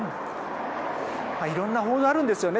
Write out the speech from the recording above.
いろんな報道があるんですよね。